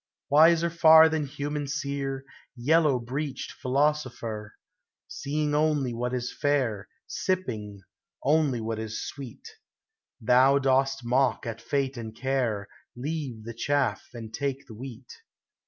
Wiser far tlian human seer. Yellow breeched philosopher, 344 POEMS OF NATURE. Seeing only what is fair, Sipping only what is swe*et, Thou dost mock at fate and care, Leave the chatf and take the wheat.